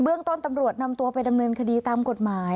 ต้นตำรวจนำตัวไปดำเนินคดีตามกฎหมาย